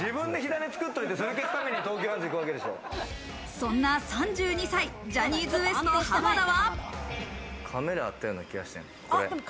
そんな３２歳、ジャニーズＷＥＳＴ・濱田は。